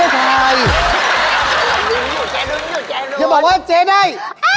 จะบอกว่าเจ๊ได้